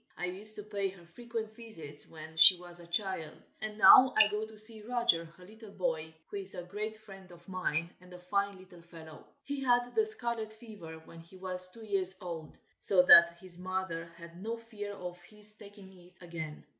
I used to pay her frequent visits when she was a child, and now I go to see Roger, her little boy, who is a great friend of mine, and a fine little fellow. He had the scarlet fever when he was two years old, so that his mother had no fear of his taking it again.